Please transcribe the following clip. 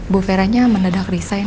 bu veranya menedak resign